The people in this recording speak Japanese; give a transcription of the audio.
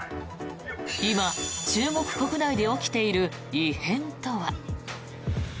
今、中国国内で起きている異変とは。